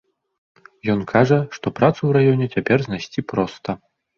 Ён кажа, што працу ў раёне цяпер знайсці проста.